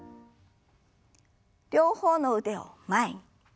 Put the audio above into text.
両方の腕を前に。